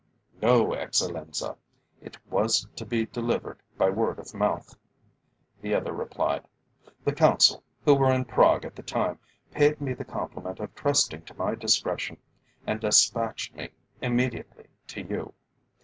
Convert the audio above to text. "No, Excellenza, it was to be delivered by word of mouth," the other replied. "The Council, who were in Prague at the time, paid me the compliment of trusting to my discretion, and despatched me immediately to you.